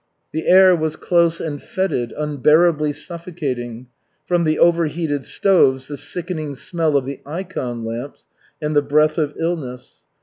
The air was close and fetid, unbearably suffocating from the overheated stoves, the sickening smell of the ikon lamps, and the breath of illness.